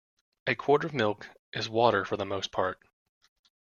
A quart of milk is water for the most part.